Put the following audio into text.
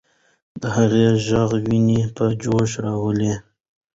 د هغې ږغ ويني په جوش راوړلې.